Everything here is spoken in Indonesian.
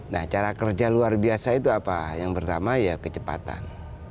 nah cara kerja luar biasa itu apa yang pertama ya kecepatan